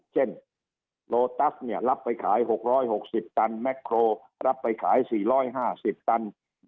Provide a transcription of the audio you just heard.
เจนเนี่ยรับไปขายหกร้อยหกสิบตันรับไปขายสี่ร้อยห้าสิบตัน